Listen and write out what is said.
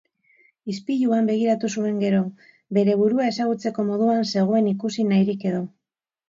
Ispiluan begiratu zuen gero, bere burua ezagutzeko moduan zegoen ikusi nahirik edo.